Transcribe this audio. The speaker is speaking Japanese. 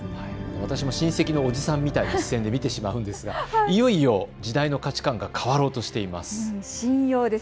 私も親戚のおじさんみたいな視線で見てしまうんですが、いよいよ時代の価値観が変わろうとしています。